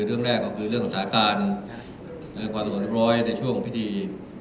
เรื่องแรกก็คือเรื่องของสถานการณ์เรื่องความสงบเรียบร้อยในช่วงพิธี